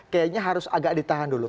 kayaknya harus agak ditahan dulu